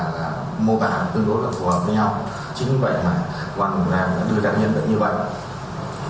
quang đưa đáp nhận được như vậy